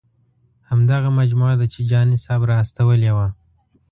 همدغه مجموعه ده چې جهاني صاحب را استولې وه.